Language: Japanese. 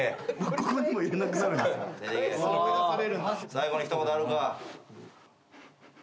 最後に一言あるか？